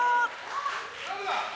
誰だ！